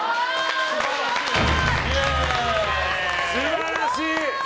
素晴らしい！